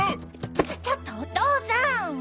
ちょちょっとお父さん！